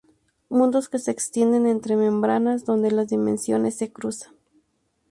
Mundos que se extienden entre membranas donde las dimensiones se cruzan...